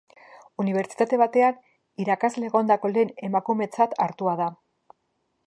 Unibertsitate batean irakasle egondako lehen emakumetzat hartua da.